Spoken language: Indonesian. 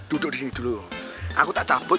duduk disini dulu kopi